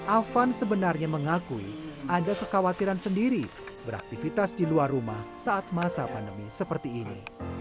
afan sebenarnya mengakui ada kekhawatiran sendiri beraktivitas di luar rumah saat masa pandemi seperti ini